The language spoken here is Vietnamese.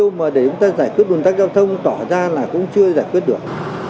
như vậy thì cái mục tiêu để chúng ta giải quyết nguồn tắc giao thông tỏ ra là cũng chưa giải quyết được